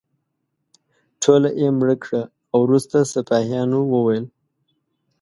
ټوله یې مړه کړه او وروسته سپاهیانو وویل.